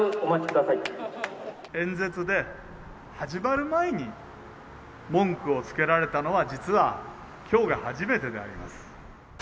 演説で、始まる前に文句をつけられたのは、実はきょうが初めてであります。